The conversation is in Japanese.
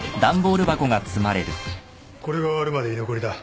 これが終わるまで居残りだ。